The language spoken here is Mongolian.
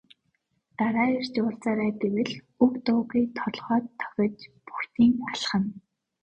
Дараа ирж уулзаарай гэвэл үг дуугүй толгой дохиж бөгтийн алхана.